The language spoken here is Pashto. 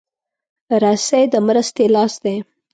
رسۍ د مرستې لاس دی.